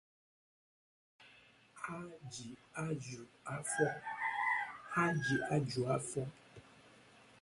ha ji ajụ afọ